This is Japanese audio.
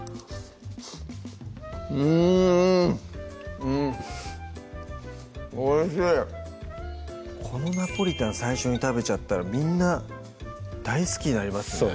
うんうんおいしいこの「ナポリタン」最初に食べちゃったらみんな大好きになりますね